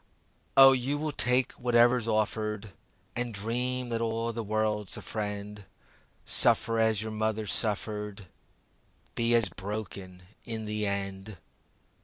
O you will take whatever's offered And dream that all the world's a friend. Suffer as your mother suffered, Be as broken in the end.